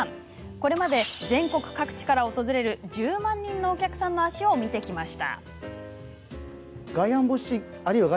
これまで全国各地から訪れる１０万人のお客さんの足を見てきました。